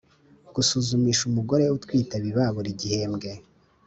gusuzumisha umugore utwite biba buri gihembwe